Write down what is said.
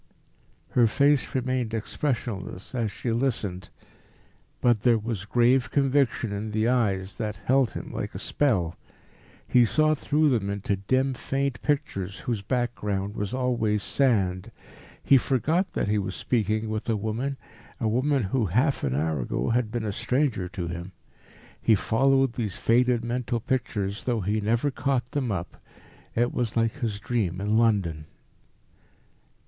Her face remained expressionless as she listened, but there was grave conviction in the eyes that held him like a spell. He saw through them into dim, faint pictures whose background was always sand. He forgot that he was speaking with a woman, a woman who half an hour ago had been a stranger to him. He followed these faded mental pictures, though he never caught them up.... It was like his dream in London.